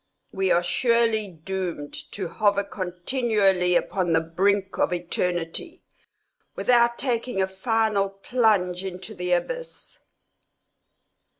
We are surely doomed to hover continually upon the brink of eternity, without taking a final plunge into the abyss.